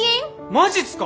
マジすか！？